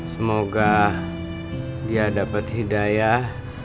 semoga dia dapat hidayah